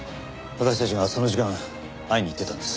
私たちがその時間会いに行ってたんです。